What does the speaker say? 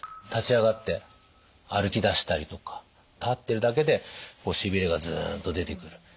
立ち上がって歩きだしたりとか立ってるだけでしびれがズンと出てくる。